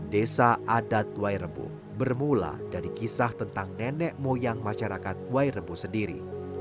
desa adat wairebo bermula dari kisah tentang nenek moyang masyarakat wairebo sendiri